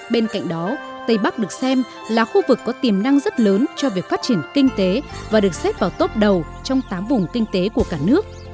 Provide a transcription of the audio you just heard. bên cạnh đó tây bắc được xem là khu vực có tiềm năng rất lớn cho việc phát triển kinh tế và được xếp vào tốp đầu trong tám vùng kinh tế của cả nước